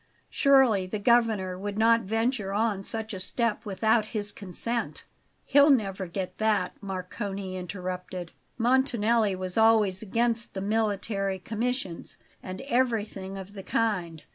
Surely the Governor would not venture on such a step without his consent?" "He'll never get that," Marcone interrupted. "Montanelli was always against the military commissions, and everything of the kind.